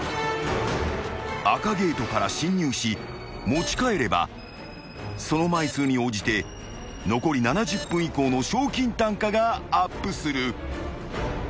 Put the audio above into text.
［赤ゲートから進入し持ち帰ればその枚数に応じて残り７０分以降の賞金単価がアップする］